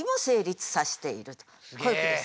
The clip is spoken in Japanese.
こういうことです。